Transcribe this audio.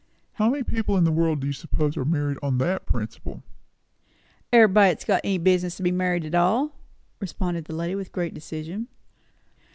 "How many people in the world do you suppose are married on that principle?" "Everybody that has any business to be married at all," responded the lady with great decision.